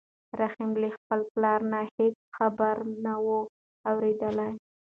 رحیم له خپل پلار نه هېڅ ښه خبره نه وه اورېدلې.